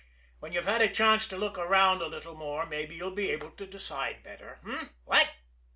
When you've had a chance to look around a little more, mabbe you'll be able to decide better what?